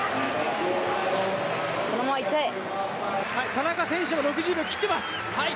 田中選手も６０秒切っています。